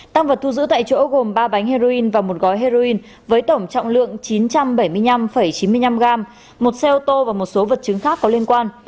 tăng vật thu giữ tại chỗ gồm ba bánh heroin và một gói heroin với tổng trọng lượng chín trăm bảy mươi năm chín mươi năm gram một xe ô tô và một số vật chứng khác có liên quan